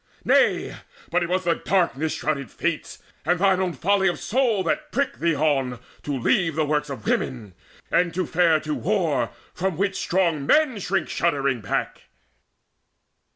Nay, but it was the darkness shrouded Fates And thine own folly of soul that pricked thee on To leave the works of women, and to fare To war, from which strong men shrink shuddering back."